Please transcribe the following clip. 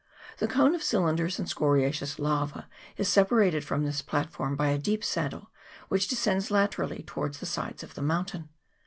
The cone of cinders and scoriaceous lava is separated from this platform by a deep saddle, which descends laterally towards the sides of the mountain.